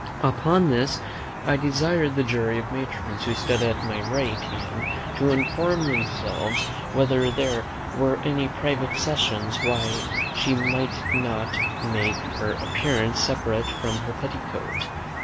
Upon this, I desired the jury of matrons, who stood at my right hand, to inform themselves whether there were any private reasons why she might not make her appearance separate from her petticoat.